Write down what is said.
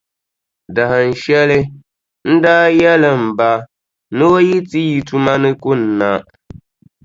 Dahinshɛli, n daa yɛli m ba, ni o yi ti yi tuma ni kunna,